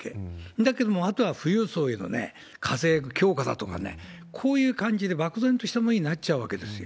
だけども、あとは富裕層への課税強化だとかね、こういう感じで漠然としたものになっちゃうわけですよ。